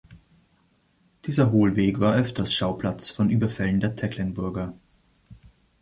Dieser Hohlweg war öfters Schauplatz von Überfällen der Tecklenburger.